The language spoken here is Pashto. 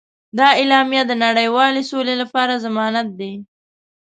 دا اعلامیه د نړیوالې سولې لپاره ضمانت دی.